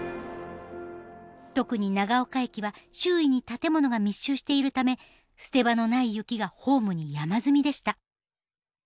特に長岡駅は周囲に建物が密集しているため捨て場のない雪がホームに山積みでした。